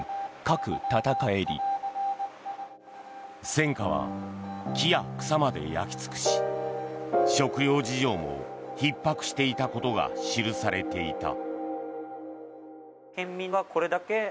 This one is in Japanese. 戦火は木や草まで焼き尽くし食糧事情もひっ迫していたことが記されていた。